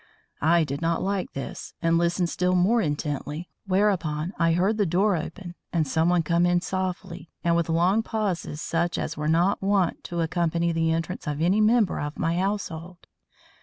I did not like this, and listened still more intently, whereupon I heard the door open and someone come in, softly, and with long pauses such as were not wont to accompany the entrance of any member of my household.